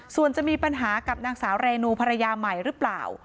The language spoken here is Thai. ส่วนจะมีปัญหากับนางสาวเรนูภรรยาใหม่หรือเปล่า